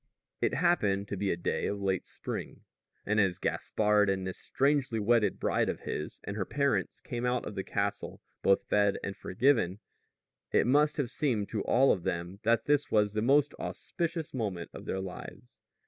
It happened to be a day of late spring; and as Gaspard and this strangely wedded bride of his and her parents came out of the castle, both fed and forgiven, it must have seemed to all of them that this was the most auspicious moment of their lives.